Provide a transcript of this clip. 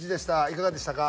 いかがでしたか？